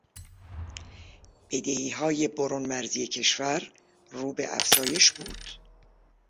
بدهیهای برون مرزی کشور رو به افزایش بود.